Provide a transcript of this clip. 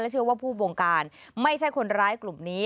เชื่อว่าผู้บงการไม่ใช่คนร้ายกลุ่มนี้